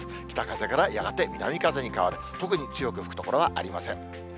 北風からやがて南風に変わる、特に強く吹く所はありません。